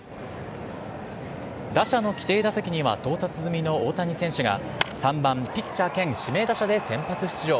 打者の規定打席には到達済みの大谷選手が３番・ピッチャー兼指名打者で先発出場。